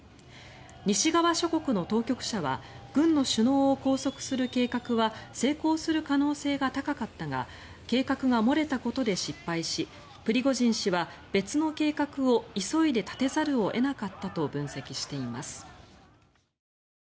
西側諸国の当局者は軍の首脳を拘束する計画は成功する可能性が高かったが計画が漏れたことで失敗しプリゴジン氏は別の計画を急いで立てざるを得なかったと分析しています。